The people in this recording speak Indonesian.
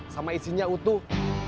sama isinya utuh